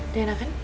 udah enak kan